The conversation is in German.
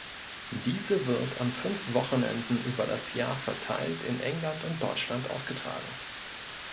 Diese wird an fünf Wochenenden über das Jahr verteilt in England und Deutschland ausgetragen.